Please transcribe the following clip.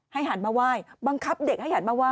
หันมาไหว้บังคับเด็กให้หันมาไห